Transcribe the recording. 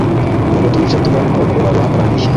Nuko turicara tuganira n’abagore bari bahakoraniye.